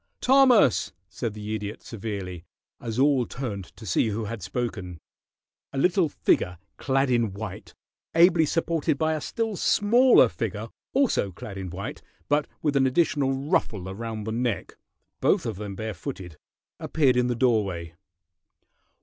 "Thomas!" said the Idiot, severely, as all turned to see who had spoken. [Illustration: "A LITTLE FIGURE CLAD IN WHITE"] A little figure clad in white, ably supported by a still smaller figure, also clad in white, but with an additional ruffle about the neck, both of them barefooted, appeared in the doorway.